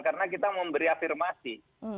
karena kita memberi afirmasi